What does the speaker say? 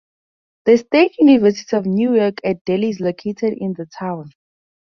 The State University of New York at Delhi is located in the town.